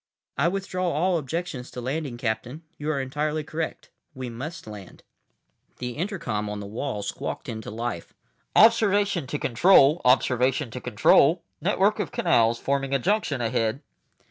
"I withdraw all objections to landing, Captain. You are entirely correct. We must land." The intercom on the wall squawked into life. "Observation to Control. Observation to Control. Network of canals forming a junction ahead."